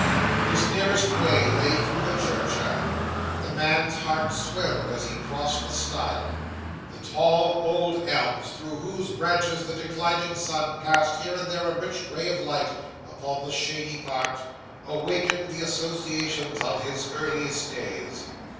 His nearest way lay through the churchyard. The man's heart swelled as he crossed the stile. The tall old elms, through whose branches the declining sun cast here and there a rich ray of light upon the shady part, awakened the associations of his earliest days.